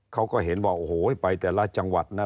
เขาก็เห็นว่าโอ้โหไปแต่ละจังหวัดนะ